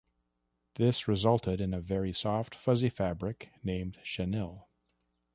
This resulted in a very soft, fuzzy fabric named chenille.